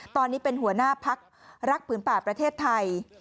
ตอนนี้เป็นหัวหน้าพักรักผืนป่าประเทศไทย